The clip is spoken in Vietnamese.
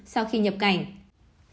sau khi nhập cảnh